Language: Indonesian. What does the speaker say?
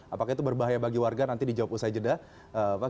apakah itu berbahaya bagi warga nanti dijawab usai jeda